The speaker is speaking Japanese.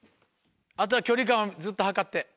あとは距離感ずっと測って。